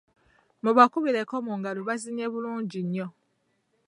Mubakubireko mu ngalo bazinye bulungi nnyo.